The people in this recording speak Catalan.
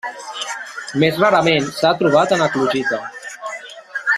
Més rarament s'ha trobat en eclogita.